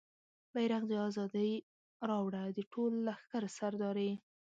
بیرغ د ازادۍ راوړه د ټول لښکر سردارې